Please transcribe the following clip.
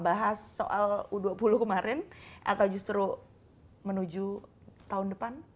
bahas soal u dua puluh kemarin atau justru menuju tahun depan